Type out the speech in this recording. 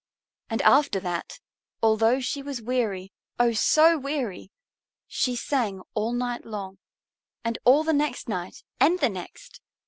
And after that, although she was weary, oh, so weary! she sang all night long, and all the next night and the next.